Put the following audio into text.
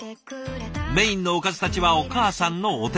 メインのおかずたちはお母さんのお手製。